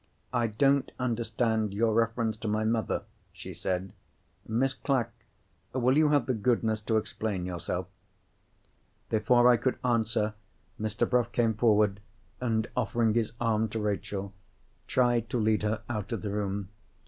"I don't understand your reference to my mother," she said. "Miss Clack, will you have the goodness to explain yourself?" Before I could answer, Mr. Bruff came forward, and offering his arm to Rachel, tried to lead her out of the room.